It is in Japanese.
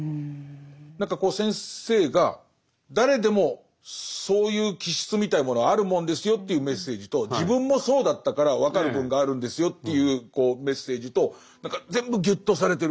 何かこう先生が誰でもそういう気質みたいなものはあるもんですよというメッセージと自分もそうだったから分かる部分があるんですよというメッセージと何か全部ぎゅっとされてる。